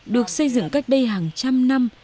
được xây dựng cách đây hàng trăm năm